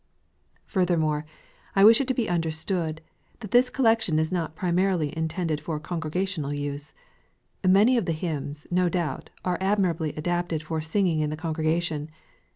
Furthermore, I wish it to be understood, that this collection is not primarily intended for coti" gregational use. Many of the hymns, no doubt, are admirably adapted for singing in the congre gation.